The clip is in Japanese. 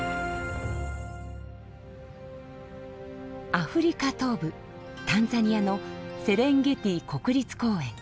アフリカ東部タンザニアのセレンゲティ国立公園。